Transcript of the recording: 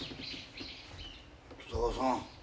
北川さん。